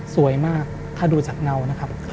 สวยมากถ้าดูจากเงานะครับ